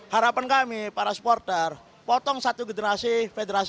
harapan kami para supporter potong satu generasi federasi